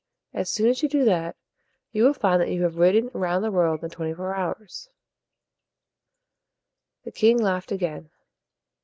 As soon as you do that, you will find that you have ridden round the world in twenty four hours." The king laughed again.